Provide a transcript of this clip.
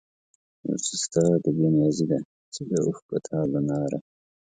یو څه ستا د بې نیازي ده، څه د اوښکو تاو له ناره